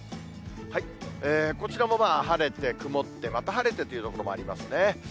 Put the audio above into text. こちらも晴れて曇って、また晴れてという所もありますね。